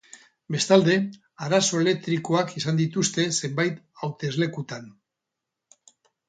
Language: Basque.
Bestalde, arazo elektrikoak izan dituzte zenbait hauteslekutan.